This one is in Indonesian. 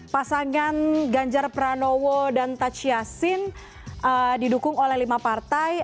pasangan ganjar pranowo dan tachiasin didukung oleh lima partai